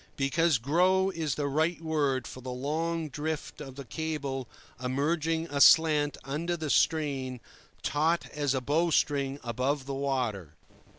Because "grow" is the right word for the long drift of a cable emerging aslant under the strain, taut as a bow string above the water.